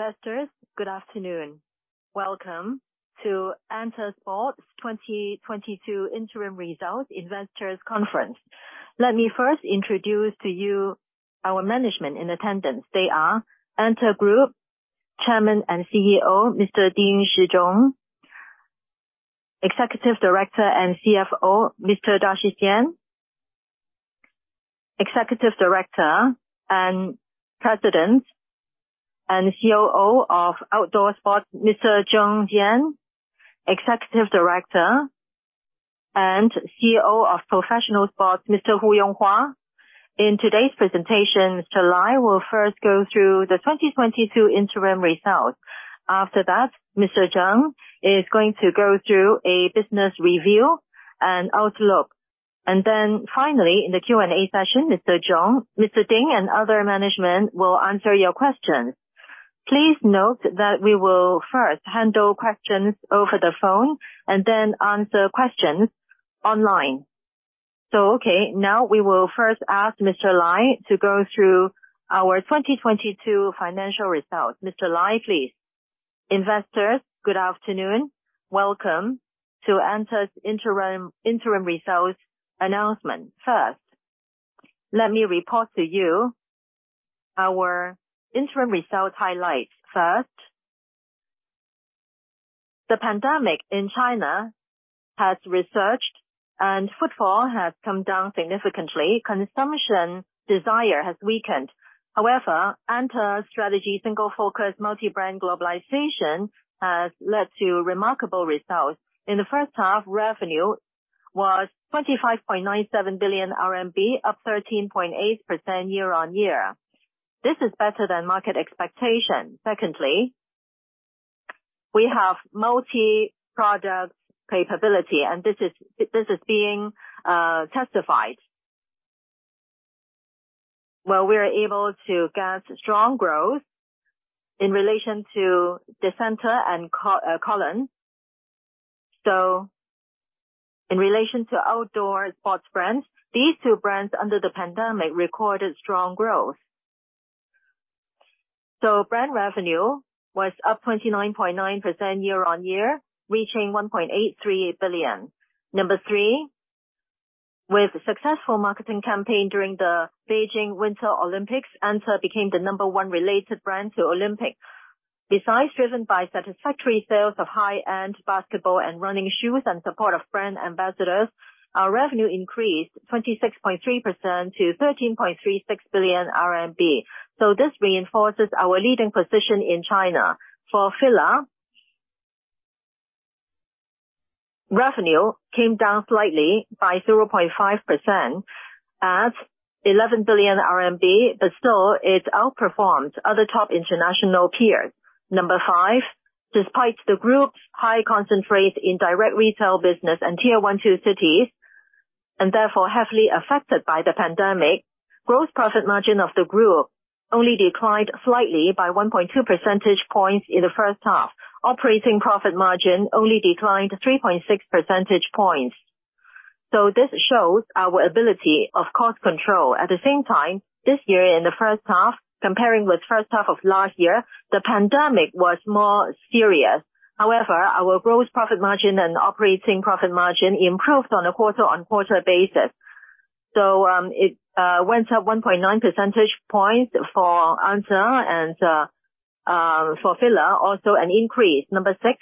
Investors, good afternoon. Welcome to ANTA Sports 2022 Interim Results Investors Conference. Let me first introduce to you our management in attendance. They are ANTA Group Chairman and CEO, Mr. Ding Shizhong. Executive Director and CFO, Mr. Lai Shixian. Executive Director and President and COO of Outdoor Sports, Mr. Zheng Jie. Executive Director and CEO of Professional Sports, Mr. Wu Yonghua. In today's presentation, Mr. Lai will first go through the 2022 interim results. After that, Mr. Zheng is going to go through a business review and outlook. Finally, in the Q&A session, Mr. Ding and other management will answer your questions. Please note that we will first handle questions over the phone and then answer questions online. Okay, now we will first ask Mr. Lai to go through our 2022 financial results. Mr. Lai, please. Investors, good afternoon. Welcome to Anta's interim results announcement. First, let me report to you our interim results highlights. First, the pandemic in China has resurged and footfall has come down significantly. Consumption desire has weakened. However, Anta's strategy, single-focused multi-brand globalization, has led to remarkable results. In the first half, revenue was 25.97 billion RMB, up 13.8% year-on-year. This is better than market expectation. Secondly, we have multi-product capability, and this is being testified. While we are able to gain strong growth in relation to DESCENTE and KOLON SPORT. In relation to outdoor sports brands, these two brands under the pandemic recorded strong growth. Brand revenue was up 29.9% year-on-year, reaching 1.83 billion. Three, with successful marketing campaign during the Beijing Winter Olympics, ANTA became the number one related brand to Olympics. Besides driven by satisfactory sales of high-end basketball and running shoes and support of brand ambassadors, our revenue increased 26.3% to 13.36 billion RMB. This reinforces our leading position in China. For FILA, revenue came down slightly by 0.5% at 11 billion RMB, but still it outperforms other top international peers. Five, despite the group's high concentration in direct retail business and tier one, two cities, and therefore heavily affected by the pandemic, gross profit margin of the group only declined slightly by 1.2 percentage points in the first half. Operating profit margin only declined 3.6 percentage points. This shows our ability of cost control. At the same time, this year in the first half, comparing with first half of last year, the pandemic was more serious. However, our gross profit margin and operating profit margin improved on a quarter-over-quarter basis. It went up 1.9 percentage points for ANTA and for FILA, also an increase. Number six,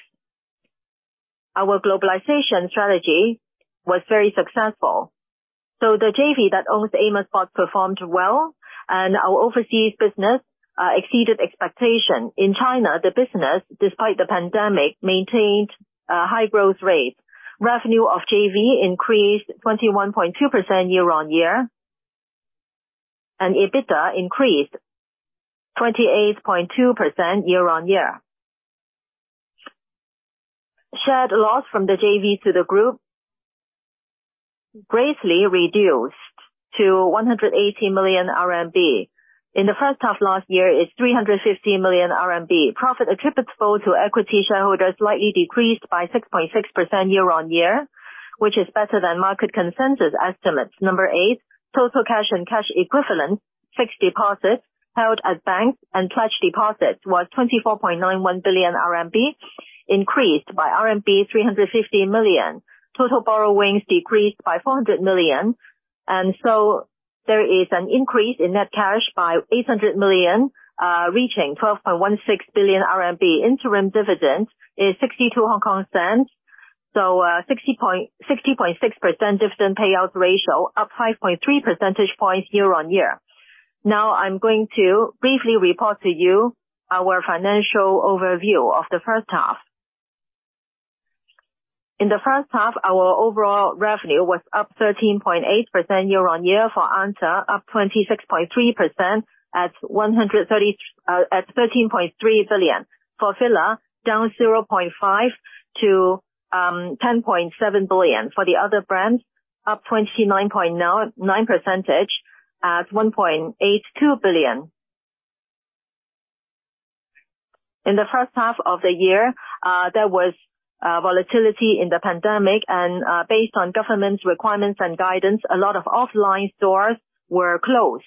our globalization strategy was very successful. The JV that owns Amer Sports performed well, and our overseas business exceeded expectations. In China, the business, despite the pandemic, maintained a high growth rate. Revenue of JV increased 21.2% year-over-year, and EBITDA increased 28.2% year-over-year. Share of loss from the JV to the group greatly reduced to 180 million RMB. In the first half last year, it's 350 million RMB. Profit attributable to equity shareholders slightly decreased by 6.6% year-over-year, which is better than market consensus estimates. Number eight, total cash and cash equivalent, fixed deposits held at bank and pledged deposits was 24.91 billion RMB, increased by RMB 350 million. Total borrowings decreased by 400 million, and so there is an increase in net cash by 800 million, reaching 12.16 billion RMB. Interim dividend is 0.62, sixty point six percent dividend payout ratio, up 5.3 percentage points year-over-year. Now I'm going to briefly report to you our financial overview of the first half. In the first half, our overall revenue was up 13.8% year-over-year. For ANTA, up 26.3% at 13.3 billion. For FILA, down 0.5% to 10.7 billion. For the other brands, up 29.99% to 1.82 billion. In the first half of the year, there was volatility in the pandemic and, based on government's requirements and guidance, a lot of offline stores were closed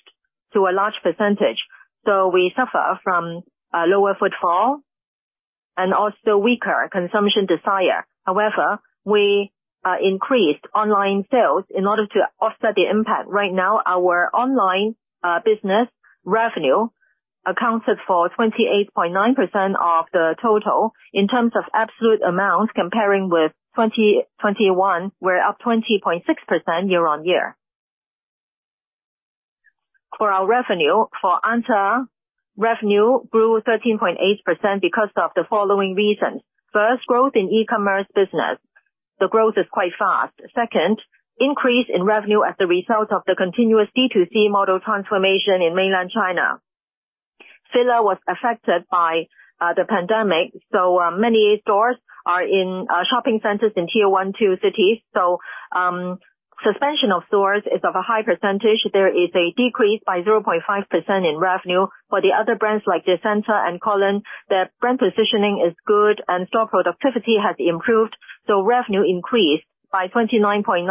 to a large percentage. We suffer from lower footfall and also weaker consumption desire. However, we increased online sales in order to offset the impact. Right now, our online business revenue accounted for 28.9% of the total. In terms of absolute amount, comparing with 2021, we're up 20.6% year-on-year. For our revenue, for ANTA, revenue grew 13.8% because of the following reasons: First, growth in e-commerce business, the growth is quite fast. Second, increase in revenue as a result of the continuous D2C model transformation in Mainland China. FILA was affected by the pandemic, many stores are in shopping centers in tier one, two cities. Suspension of stores is of a high percentage. There is a decrease by 0.5% in revenue. For the other brands like DESCENTE and KOLON, their brand positioning is good and store productivity has improved, so revenue increased by 29.9%.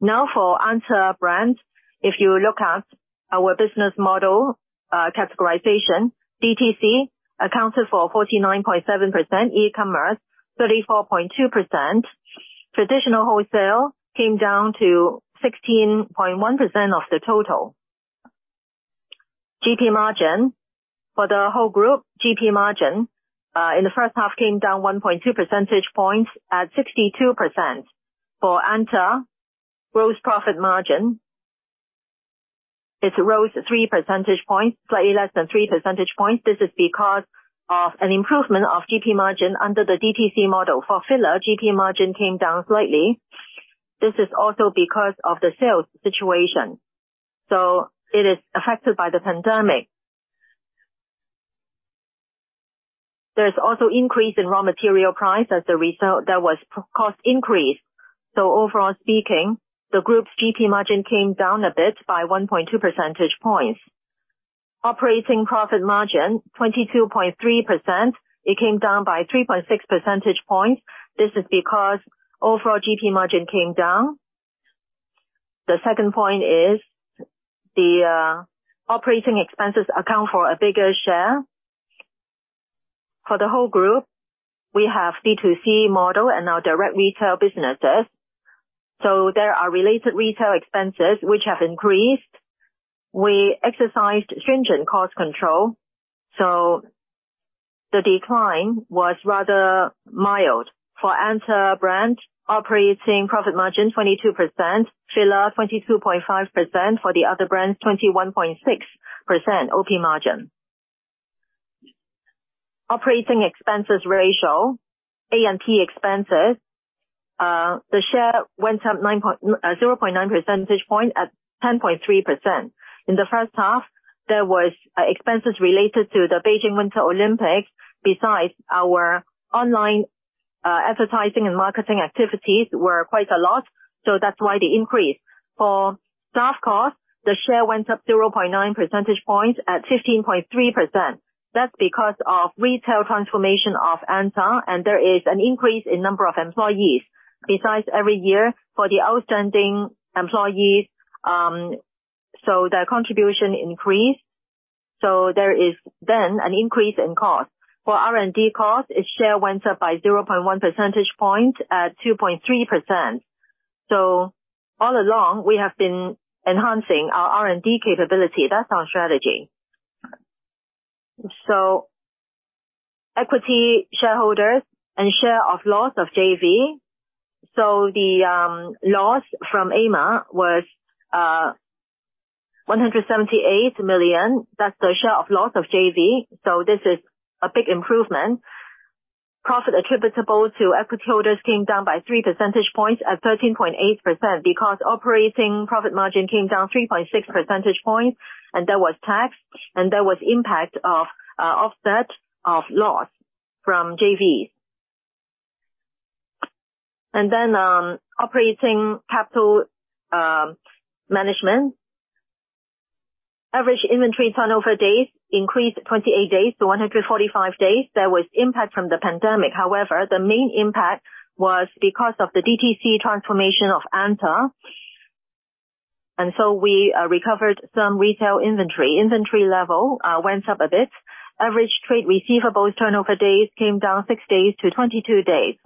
Now for ANTA brands, if you look at our business model, categorization, DTC accounted for 49.7% e-commerce, 34.2%. Traditional wholesale came down to 16.1% of the total. GP margin. For the whole group, GP margin in the first half came down 1.2 percentage points at 62%. For ANTA, gross profit margin, it rose 3 percentage points, slightly less than 3 percentage points. This is because of an improvement of GP margin under the DTC model. For FILA, GP margin came down slightly. This is also because of the sales situation, so it is affected by the pandemic. There is also an increase in raw material price as a result, there was cost increase. Overall speaking, the group's GP margin came down a bit by 1.2 percentage points. Operating profit margin, 22.3%. It came down by 3.6 percentage points. This is because overall GP margin came down. The second point is the operating expenses account for a bigger share. For the whole group, we have D2C model and our direct retail businesses, so there are related retail expenses which have increased. We exercised stringent cost control, so the decline was rather mild. For ANTA brand, operating profit margin 22%, FILA 22.5%, for the other brands, 21.6% OP margin. Operating expenses ratio, A&P expenses, the share went up 0.9 percentage point at 10.3%. In the first half, there was expenses related to the Beijing Winter Olympics. Besides, our online advertising and marketing activities were quite a lot, so that's why they increased. For staff costs, the share went up 0.9 percentage points at 15.3%. That's because of retail transformation of ANTA and there is an increase in number of employees. Besides every year for the outstanding employees, so their contribution increased, so there is then an increase in cost. For R&D cost, its share went up by 0.1 percentage point at 2.3%. All along, we have been enhancing our R&D capability. That's our strategy. Equity shareholders and share of loss of JV. The loss from Amer was 178 million. That's the share of loss of JV. This is a big improvement. Profit attributable to equity holders came down by 3 percentage points at 13.8%, because operating profit margin came down 3.6 percentage points and there was tax, and there was impact of offset of loss from JVs. Operating capital management. Average inventory turnover days increased 28 days to 145 days. There was impact from the pandemic. However, the main impact was because of the DTC transformation of ANTA. We recovered some retail inventory. Inventory level went up a bit. Average trade receivables turnover days came down six days to 22 days.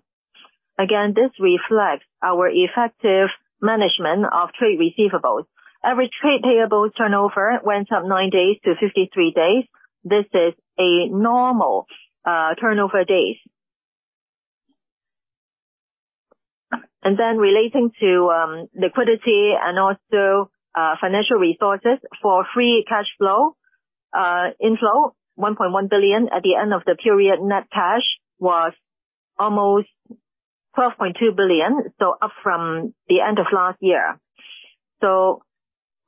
Again, this reflects our effective management of trade receivables. Average trade payables turnover went up nine days to 53 days. This is a normal turnover days. Relating to liquidity and also financial resources for free cashflow. Inflow CNY 1.1 billion at the end of the period, net cash was almost 12.2 billion, so up from the end of last year.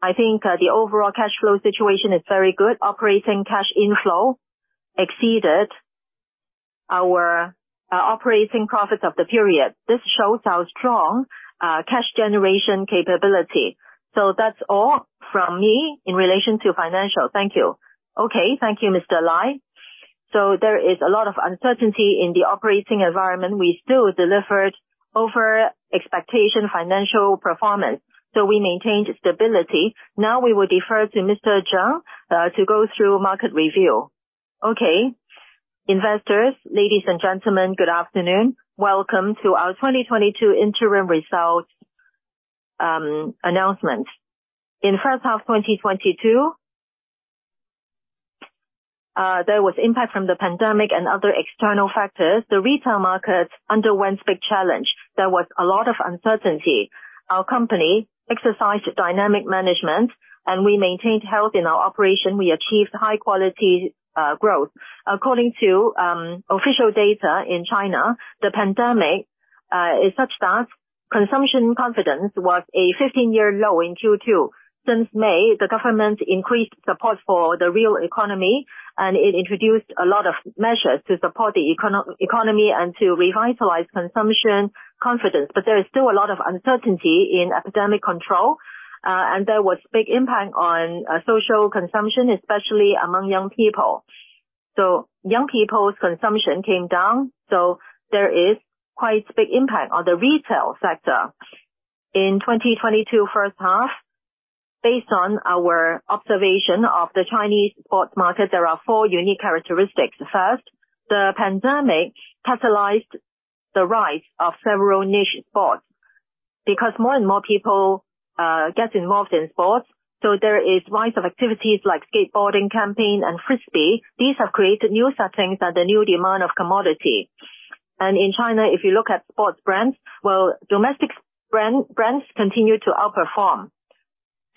I think the overall cash flow situation is very good. Operating cash inflow exceeded our operating profits of the period. This shows our strong cash generation capability. That's all from me in relation to financials. Thank you. Okay. Thank you, Mr. Lai. There is a lot of uncertainty in the operating environment. We still delivered over expectation financial performance. We maintained stability. Now we will defer to Mr. Zheng to go through market review. Okay. Investors, ladies and gentlemen, good afternoon. Welcome to our 2022 interim results announcement. In first half 2022, there was impact from the pandemic and other external factors. The retail market underwent big challenge. There was a lot of uncertainty. Our company exercised dynamic management, and we maintained health in our operation. We achieved high quality growth. According to official data in China, the pandemic is such that consumption confidence was a 15-year low in Q2. Since May, the government increased support for the real economy, and it introduced a lot of measures to support the economy and to revitalize consumption confidence. There is still a lot of uncertainty in epidemic control, and there was big impact on social consumption, especially among young people. Young people's consumption came down, so there is quite big impact on the retail sector. In 2022 first half, based on our observation of the Chinese sports market, there are four unique characteristics. First, the pandemic catalyzed the rise of several niche sports. Because more and more people get involved in sports, so there is rise of activities like skateboarding, camping and frisbee. These have created new settings and the new demand for commodities. In China, if you look at sports brands, well, domestic brands continue to outperform.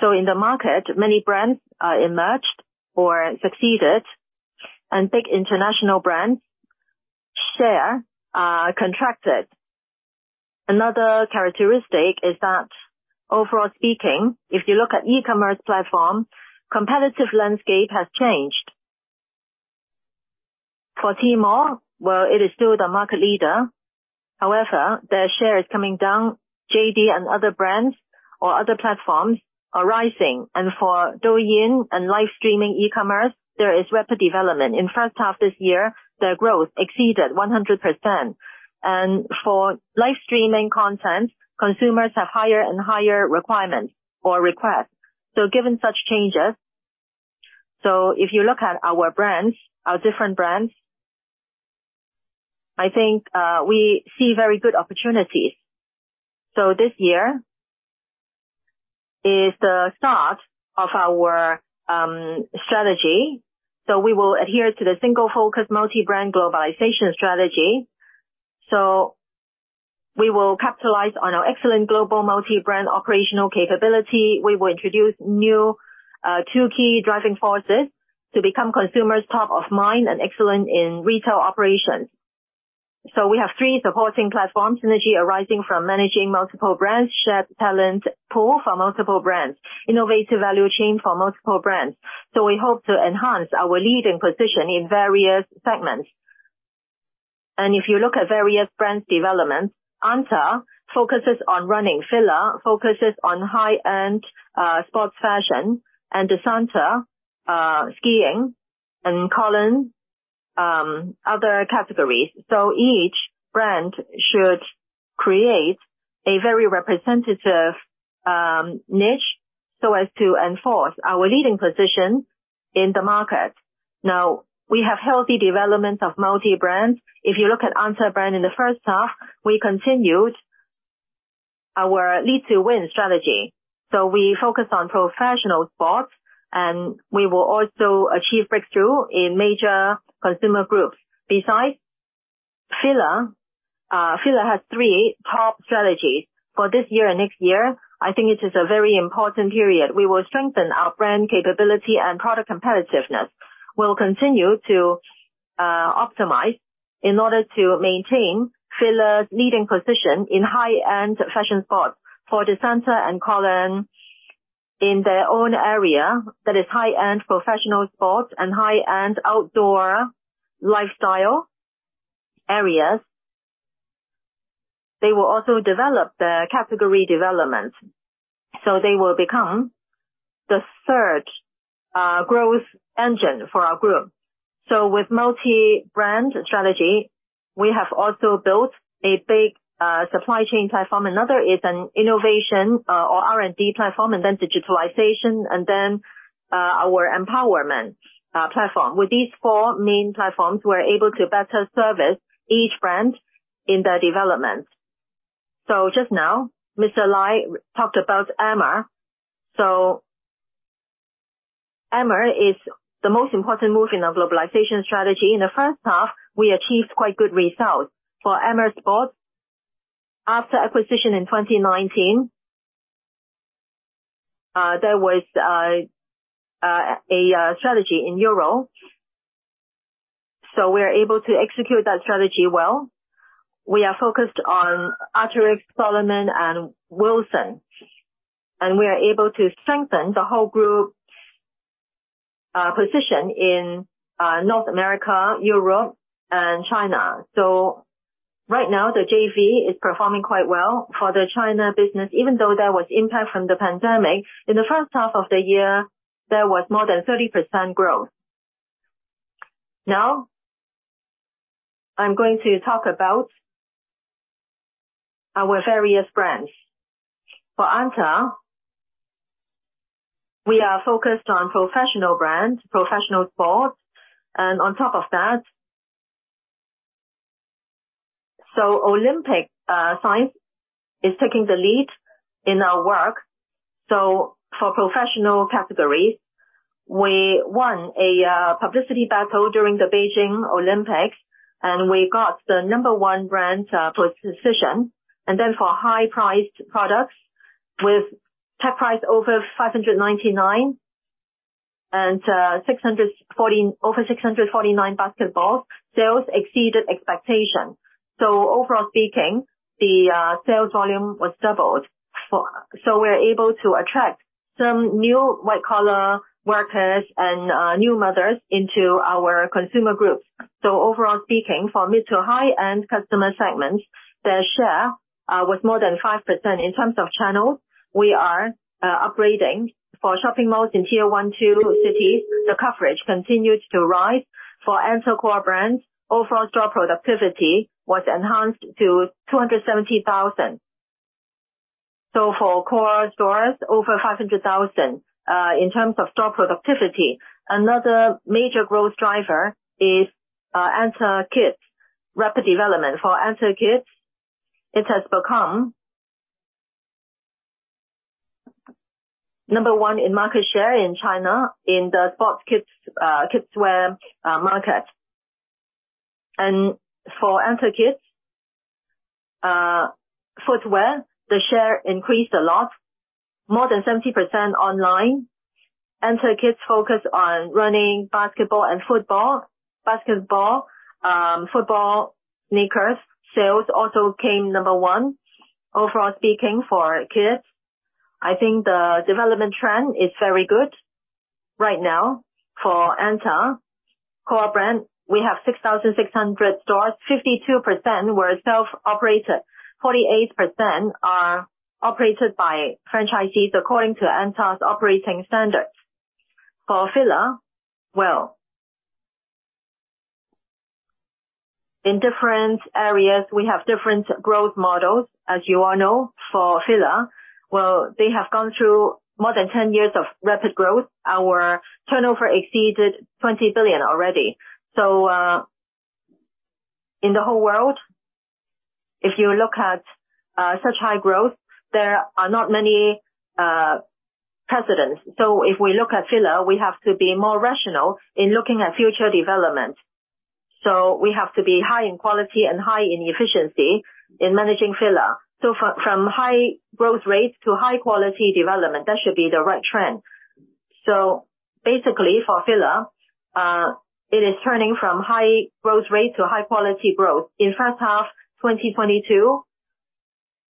In the market, many brands emerged or succeeded and big international brands' share contracted. Another characteristic is that overall speaking, if you look at e-commerce platform, competitive landscape has changed. For Tmall, well, it is still the market leader. However, their share is coming down. JD and other brands or other platforms are rising. For Douyin and live streaming e-commerce, there is rapid development. In first half this year, their growth exceeded 100%. For live streaming content, consumers have higher and higher requirements or requests. Given such changes, if you look at our brands, our different brands, I think, we see very good opportunities. This year is the start of our strategy. We will adhere to the single focus multi-brand globalization strategy. We will capitalize on our excellent global multi-brand operational capability. We will introduce new two key driving forces to become consumers' top of mind and excellent in retail operations. We have three supporting platforms, synergy arising from managing multiple brands, shared talent pool for multiple brands, innovative value chain for multiple brands. We hope to enhance our leading position in various segments. If you look at various brands developments, ANTA focuses on running. FILA focuses on high-end, sports fashion. DESCENTE, skiing. KOLON, other categories. Each brand should create a very representative, niche so as to enforce our leading position in the market. Now, we have healthy development of multi-brands. If you look at ANTA brand in the first half, we continued our lead to win strategy. We focus on professional sports, and we will also achieve breakthrough in major consumer groups. Besides, FILA has three top strategies. For this year and next year, I think it is a very important period. We will strengthen our brand capability and product competitiveness. We'll continue to optimize in order to maintain FILA's leading position in high-end fashion sports. For DESCENTE and KOLON in their own area, that is high-end professional sports and high-end outdoor lifestyle areas, they will also develop their category development, so they will become the third growth engine for our group. With multi-brand strategy, we have also built a big supply chain platform. Another is an innovation or R&D platform, and then digitalization, and then our empowerment platform. With these four main platforms, we're able to better service each brand in their development. Just now, Mr. Lai talked about Amer. Amer is the most important move in our globalization strategy. In the first half, we achieved quite good results. For Amer Sports, after acquisition in 2019, there was a strategy in Europe. We are able to execute that strategy well. We are focused on Arc'teryx, Salomon, and Wilson. We are able to strengthen the whole group position in North America, Europe, and China. Right now, the JV is performing quite well for the China business. Even though there was impact from the pandemic. In the first half of the year, there was more than 30% growth. Now I'm going to talk about our various brands. For ANTA, we are focused on professional brands, professional sports. On top of that, Olympic science is taking the lead in our work. For professional categories, we won a publicity battle during the Beijing Olympics, and we got the number one brand for precision. For high-priced products with top price over 599 and over 649 basketball, sales exceeded expectations. Overall speaking, sales volume was doubled. We're able to attract some new white-collar workers and new mothers into our consumer groups. Overall speaking, for mid to high-end customer segments, their share was more than 5%. In terms of channels, we are upgrading. For shopping malls in tier one, two cities, the coverage continues to rise. For ANTA core brands, overall store productivity was enhanced to 270,000. For core stores, over 500,000 in terms of store productivity. Another major growth driver is ANTA KIDS rapid development. For ANTA KIDS, it has become number one in market share in China in the sports kids kidswear market. For ANTA KIDS footwear, the share increased a lot, more than 70% online. ANTA KIDS focus on running, basketball and football. Basketball football sneakers sales also came number one. Overall speaking, for kids, I think the development trend is very good right now. For ANTA core brand, we have 6,600 stores. 52% were self-operated. 48% are operated by franchisees according to ANTA's operating standards. For FILA, well, in different areas we have different growth models. As you all know, for FILA, well, they have gone through more than 10 years of rapid growth. Our turnover exceeded 20 billion already. In the whole world, if you look at such high growth, there are not many precedents. If we look at FILA, we have to be more rational in looking at future development. We have to be high in quality and high in efficiency in managing FILA. From high growth rates to high quality development, that should be the right trend. Basically for FILA, it is turning from high growth rate to high quality growth. In first half of 2022,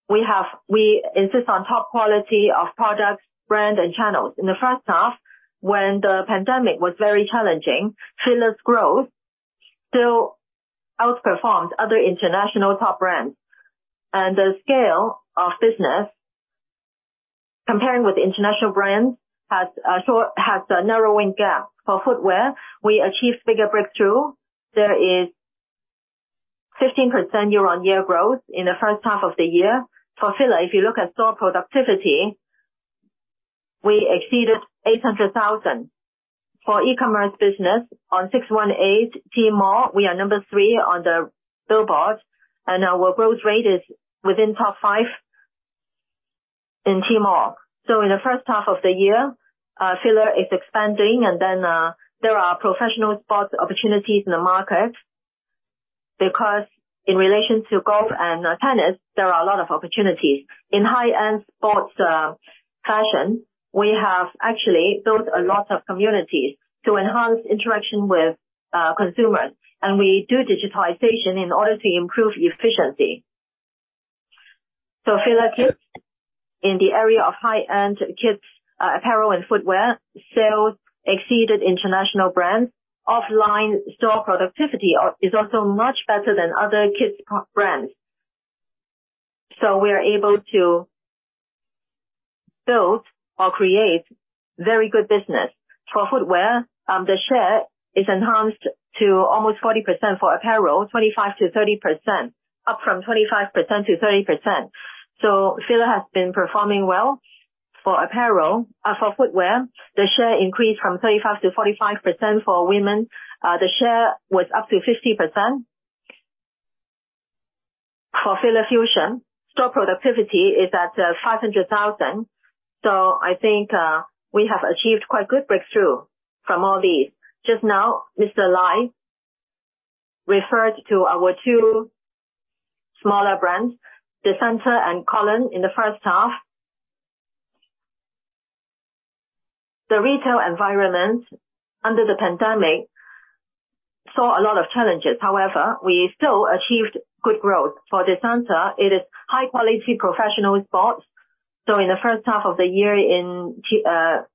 we insist on top quality of products, brand and channels. In the first half, when the pandemic was very challenging, FILA's growth still outperformed other international top brands, and the scale of business comparing with international brands has a narrowing gap. For footwear, we achieved bigger breakthrough. There is 15% year-on-year growth in the first half of the year. For FILA, if you look at store productivity, we exceeded 800,000. For e-commerce business on 618 Tmall, we are number three on the billboard and our growth rate is within top five in Tmall. In the first half of the year, FILA is expanding. There are professional sports opportunities in the market because in relation to golf and tennis, there are a lot of opportunities. In high-end sports fashion, we have actually built a lot of communities to enhance interaction with consumers. We do digitization in order to improve efficiency. FILA KIDS in the area of high-end kids apparel and footwear sales exceeded international brands. Offline store productivity is also much better than other kids brands. We are able to build or create very good business. For footwear, the share is enhanced to almost 40%. For apparel, 25%-30%, up from 25% to 30%. FILA has been performing well. For apparel, for footwear, the share increased from 35%-45%. For women, the share was up to 50%. For FILA FUSION, store productivity is at 500,000. I think we have achieved quite good breakthrough from all these. Just now, Mr. Lai referred to our two smaller brands, DESCENTE and KOLON SPORT. In the first half, the retail environment under the pandemic saw a lot of challenges. However, we still achieved good growth. For Descente, it is high-quality professional sports. In the first half of the year in tier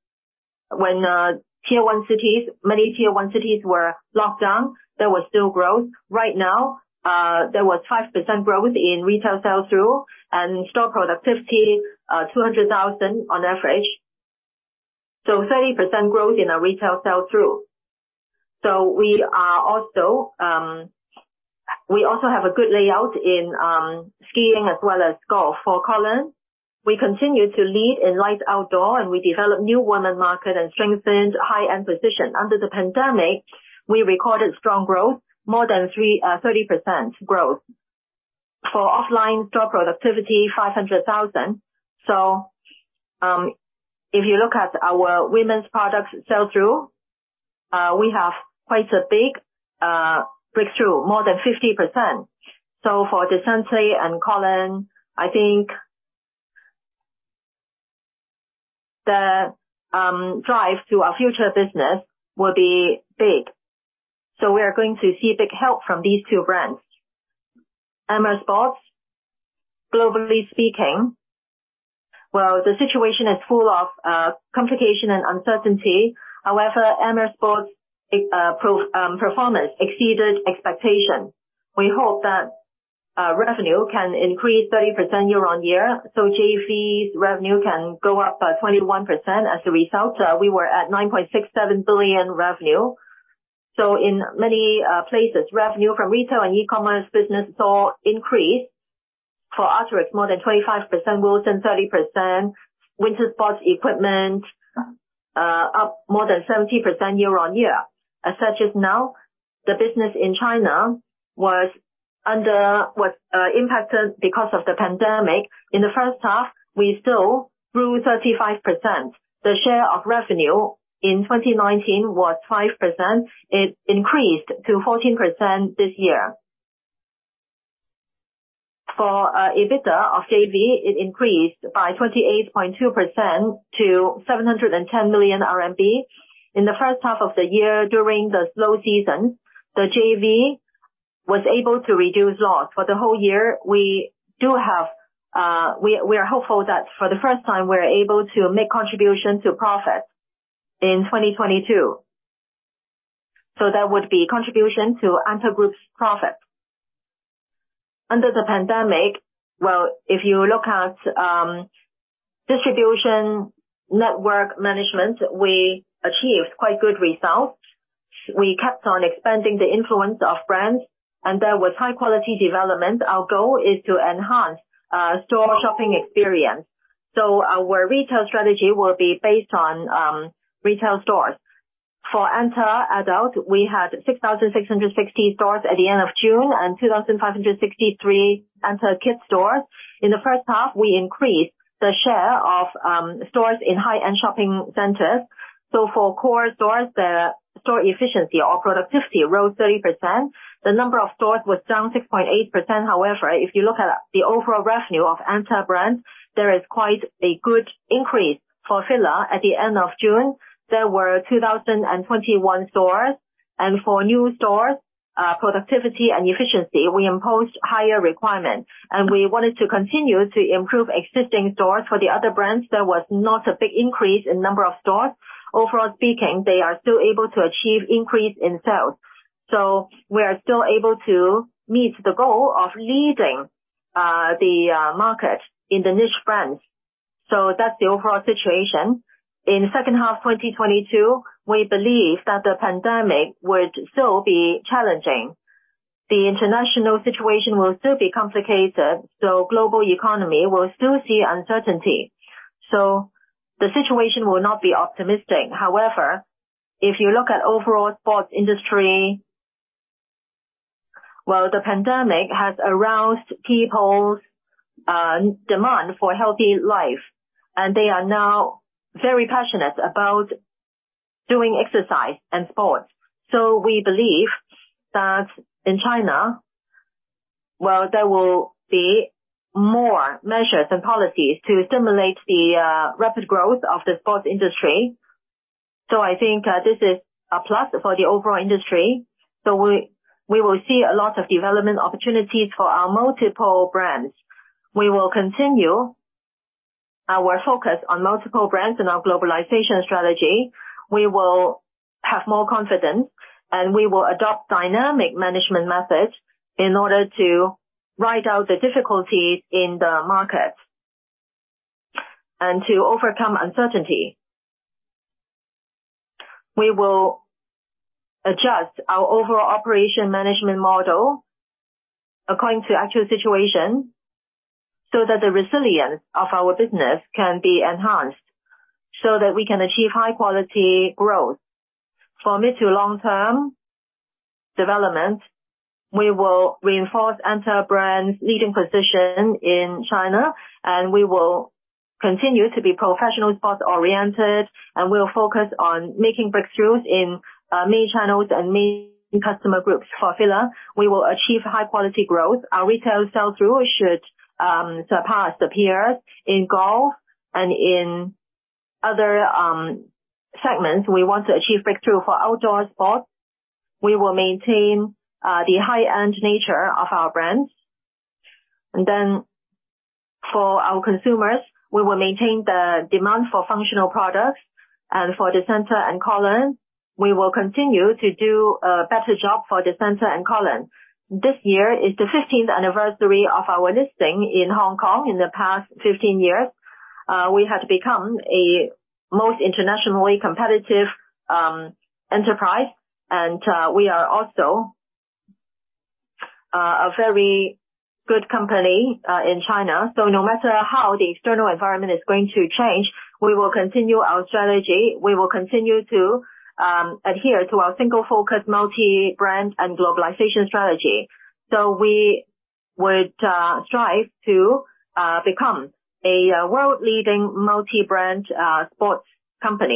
one cities, many tier one cities were locked down, there was still growth. Right now, there was 5% growth in retail sell-through and store productivity, 200,000 on average. Thirty percent growth in our retail sell-through. We are also, we also have a good layout in, skiing as well as golf. For KOLON, we continue to lead in light outdoor and we develop new women market and strengthened high-end position. Under the pandemic, we recorded strong growth, more than thirty percent growth. For offline store productivity, 500,000. If you look at our women's products sell-through, we have quite a big, breakthrough, more than 50%. For DESCENTE and KOLON, I think the drive to our future business will be big. We are going to see big help from these two brands. Amer Sports, globally speaking, the situation is full of complications and uncertainty. However, Amer Sports' performance exceeded expectations. We hope that revenue can increase 30% year-over-year, so JV's revenue can go up by 21%. As a result, we were at 9.67 billion revenue. In many places, revenue from retail and e-commerce business saw increase. For Arc'teryx, more than 25% growth and 30% winter sports equipment up more than 70% year-over-year. As of now, the business in China was impacted because of the pandemic. In the first half, we still grew 35%. The share of revenue in 2019 was 5%. It increased to 14% this year. For EBITDA of JV, it increased by 28.2% to 710 million RMB. In the first half of the year during the slow season, the JV was able to reduce loss. For the whole year, we do have, we are hopeful that for the first time, we're able to make contribution to profit in 2022. That would be contribution to ANTA Group's profit. Under the pandemic, if you look at distribution network management, we achieved quite good results. We kept on expanding the influence of brands, and there was high-quality development. Our goal is to enhance store shopping experience. Our retail strategy will be based on retail stores. For ANTA Adult, we had 6,660 stores at the end of June and 2,563 ANTA Kids stores. In the first half, we increased the share of stores in high-end shopping centers. For core stores, the store efficiency or productivity rose 30%. The number of stores was down 6.8%. However, if you look at the overall revenue of ANTA brands, there is quite a good increase. For FILA at the end of June, there were 2,021 stores. For new stores, productivity and efficiency, we imposed higher requirements. We wanted to continue to improve existing stores. For the other brands, there was not a big increase in number of stores. Overall speaking, they are still able to achieve increase in sales. We are still able to meet the goal of leading the market in the niche brands. That's the overall situation. In the second half of 2022, we believe that the pandemic would still be challenging. The international situation will still be complicated, so global economy will still see uncertainty. The situation will not be optimistic. However, if you look at overall sports industry, well, the pandemic has aroused people's demand for healthy life, and they are now very passionate about doing exercise and sports. We believe that in China, well, there will be more measures and policies to stimulate the rapid growth of the sports industry. I think this is a plus for the overall industry. We will see a lot of development opportunities for our multiple brands. We will continue our focus on multiple brands in our globalization strategy. We will have more confidence, and we will adopt dynamic management methods in order to ride out the difficulties in the market and to overcome uncertainty. We will adjust our overall operation management model according to actual situation so that the resilience of our business can be enhanced, so that we can achieve high-quality growth. For mid to long-term development, we will reinforce ANTA brand's leading position in China, and we will continue to be professional sports-oriented, and we'll focus on making breakthroughs in main channels and main customer groups. For FILA, we will achieve high-quality growth. Our retail sell-through should surpass the peers. In golf and in other segments, we want to achieve breakthrough. For outdoor sports, we will maintain the high-end nature of our brands. For our consumers, we will maintain the demand for functional products. For DESCENTE and KOLON SPORT, we will continue to do a better job for DESCENTE and KOLON SPORT. This year is the 15th anniversary of our listing in Hong Kong. In the past 15 years, we have become a most internationally competitive enterprise, and we are also a very good company in China. No matter how the external environment is going to change, we will continue our strategy. We will continue to adhere to our single-focus, multi-brand and globalization strategy. We would strive to become a world-leading multi-brand sports company.